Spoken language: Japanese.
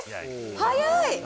早い！